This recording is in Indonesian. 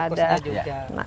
ada kosnya juga